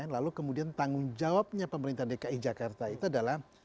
lalu kemudian tanggung jawabnya pemerintah dki jakarta itu adalah